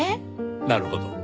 なるほど。